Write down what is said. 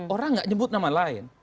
orang tidak nyebut nama lain